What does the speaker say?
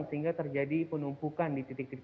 sehingga terjadi penumpukan di titik titik